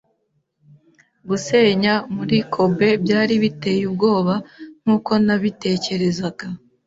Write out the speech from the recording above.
Gusenya muri Kobe byari biteye ubwoba nkuko nabitekerezaga.